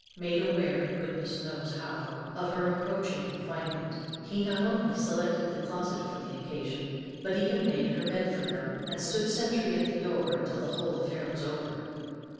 Made aware, goodness knows how, of her approaching confinement, he not only selected the closet for the occasion, but even made her bed for her, and stood sentry at the door till the whole affair was over.